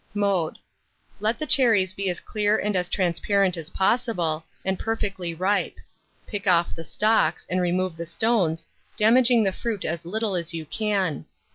Mode. Let the cherries be as clear and as transparent as possible, and perfectly ripe; pick off the stalks, and remove the stones, damaging the fruit as little as you can.